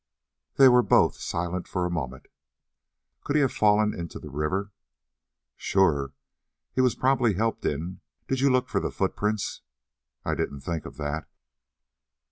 They were both silent for a moment. "Could he have fallen into the river?" "Sure. He was probably helped in. Did you look for the footprints?" "I didn't think of that."